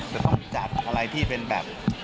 จะต้องจัดอะไรที่เป็นแบบ